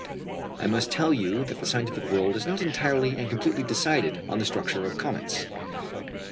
I must tell you that the scientific world is not entirely and completely decided on the structure of comets.